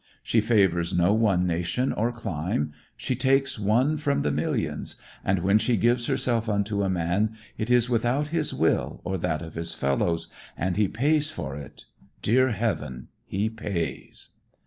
She favors no one nation or clime. She takes one from the millions, and when she gives herself unto a man it is without his will or that of his fellows, and he pays for it, dear heaven, he pays!